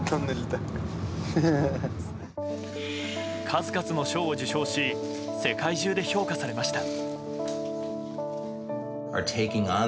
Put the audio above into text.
数々の賞を受賞し世界中で評価されました。